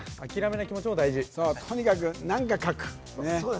とにかく何か書く。